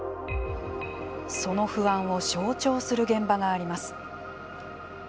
その不安を象徴する現場があります。